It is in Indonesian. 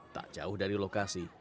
tak jauh dari lokasi